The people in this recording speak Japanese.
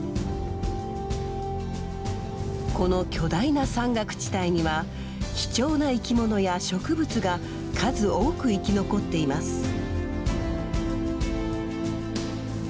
この巨大な山岳地帯には貴重な生き物や植物が数多く生き残っています。